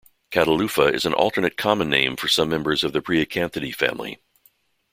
"Catalufa" is an alternate common name for some members of the Priacanthidae family.